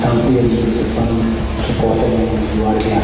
tapi yang di depan